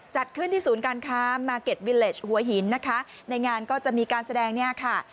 จัดขึ้นที่ศูนย์การค้าหัวหินนะคะในงานก็จะมีการแสดงเนี้ยค่ะ